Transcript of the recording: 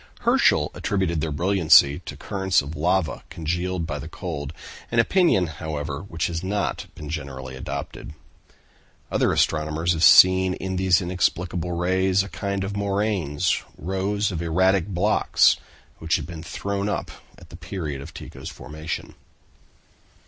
Herschel attributed their brilliancy to currents of lava congealed by the cold; an opinion, however, which has not been generally adopted. Other astronomers have seen in these inexplicable rays a kind of moraines, rows of erratic blocks, which had been thrown up at the period of Tycho's formation.